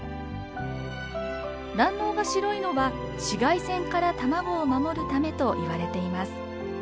卵のうが白いのは紫外線から卵を守るためといわれています。